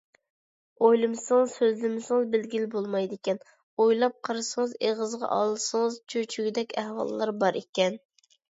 ئويلىمىسىڭىز، سۆزلىمىسىڭىز بىلگىلى بولمايدىكەن، ئويلاپ قارىسىڭىز، ئېغىزغا ئالسىڭىز چۆچۈگىدەك ئەھۋاللار بار ئىكەن.